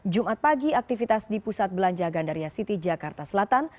jumat pagi aktivitas di pusat belanja gandaria city jakarta selatan